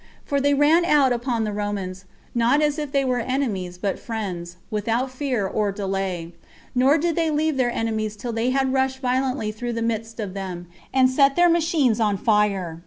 For they ran out upon the Romans, not as if they were enemies, but friends, without fear or delay; nor did they leave their enemies till they had rushed violently through the midst of them, and set their machines on fire.